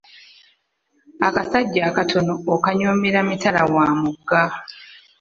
Akasajja akatono okanyoomera mitala wa mugga.